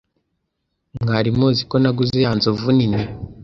mwari muzi ko naguze ya nzovu nini